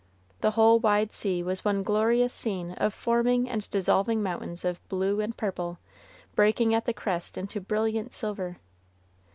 The whole wide sea was one glorious scene of forming and dissolving mountains of blue and purple, breaking at the crest into brilliant silver.